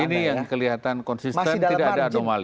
ini yang kelihatan konsisten tidak ada anomali